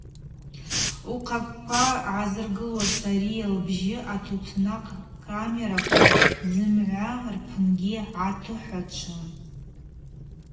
Ухъахъвква гӏазыргылуаз Сария лцӏырбжьы атутанакъ камераква зымгӏва рпынгьи йгӏатыхӏвачвгӏун.